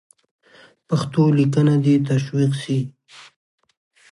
پښتو لیکنه دې تشویق سي.